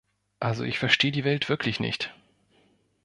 Also ich verstehe die Welt wirklich nicht!